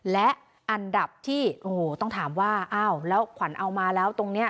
และอันดับที่โอ้โหต้องถามว่าอ้าวแล้วขวัญเอามาแล้วตรงนี้